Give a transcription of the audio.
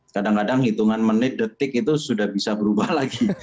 kadang kadang hitungan menit detik itu sudah bisa berubah lagi